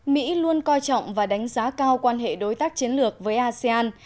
mỹ luôn coi trọng và đánh giá cao quan hệ đối tác chiến lược với asean